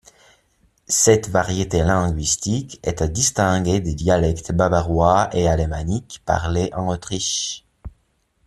Cette variété linguistique est à distinguer des dialectes bavarois et alémaniques parlés en Autriche.